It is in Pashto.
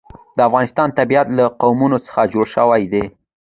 د افغانستان طبیعت له قومونه څخه جوړ شوی دی.